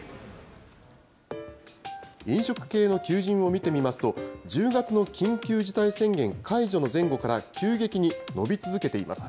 飲食系の求人を見てみますと、１０月の緊急事態宣言解除の前後から急激に伸び続けています。